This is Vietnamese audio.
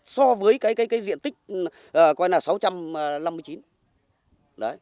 so với cái diện tích coi là sáu trăm năm mươi chín